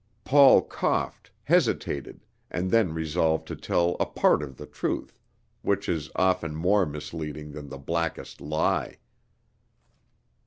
Paul coughed, hesitated, and then resolved to tell a part of the truth, which is often more misleading than the blackest lie.